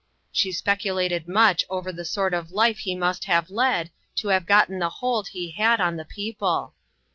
She speculated much over the sort of life he must have led to have gotten the hold he had on the people.